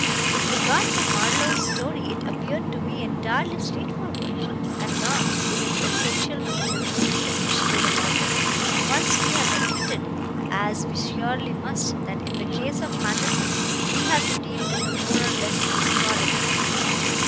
With regard to Marlowe's story, it appeared to me entirely straightforward, and not, in its essential features, especially remarkable, once we have admitted, as we surely must, that in the case of Manderson we have to deal with a more or less disordered mind.